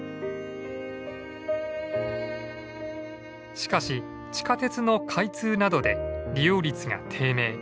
しかし地下鉄の開通などで利用率が低迷。